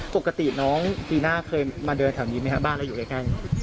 ปกติน้องปีหน้าเคยมาเดินแถวนี้ไหมครับบ้านเราอยู่ใกล้